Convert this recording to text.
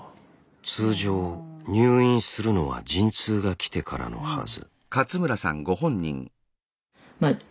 通常入院するのは陣痛がきてからのはず。